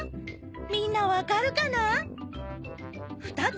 みんなわかるかな？